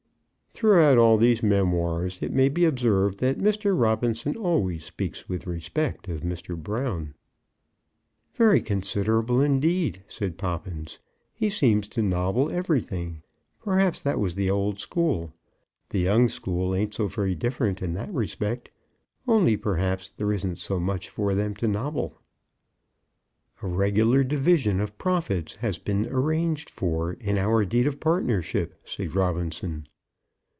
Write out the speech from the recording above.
Throughout all these memoirs, it may be observed that Mr. Robinson always speaks with respect of Mr. Brown. "Very considerable indeed," said Poppins. "He seems to me to nobble everything. Perhaps that was the old school. The young school ain't so very different in that respect; only, perhaps, there isn't so much for them to nobble." "A regular division of our profits has been arranged for in our deed of partnership," said Robinson.